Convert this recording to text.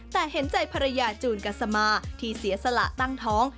แต่เห็นใจภรรยาจูนกัสมาที่เสียสละตั้งท้อง